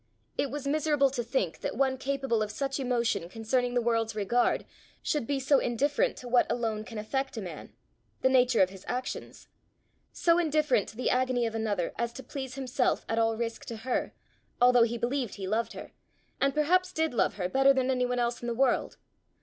It was miserable to think that one capable of such emotion concerning the world's regard, should be so indifferent to what alone can affect a man the nature of his actions so indifferent to the agony of another as to please himself at all risk to her, although he believed he loved her, and perhaps did love her better than any one else in the world.